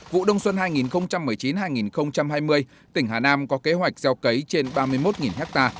vụ đông xuân hai nghìn một mươi chín hai nghìn hai mươi tỉnh hà nam có kế hoạch gieo cấy trên ba mươi một ha